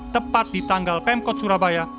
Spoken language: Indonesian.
tepat di tanggal pemkot surabaya